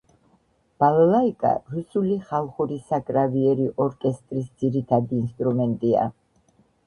ბალალაიკა რუსული ხალხური საკრავიერი ორკესტრის ძირითადი ინსტრუმენტია.